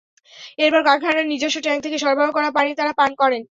এরপর কারখানার নিজস্ব ট্যাংক থেকে সরবরাহ করা পানি তাঁরা পান করেন।